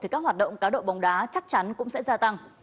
các hoạt động cá độ bóng đá chắc chắn cũng sẽ gia tăng